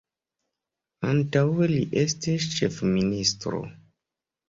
Antaŭe li estis ĉefministro.